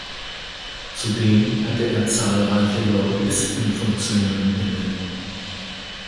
Zudem hatte er zahlreiche Lobbyisten-Funktionen inne.